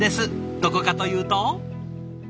どこかというと。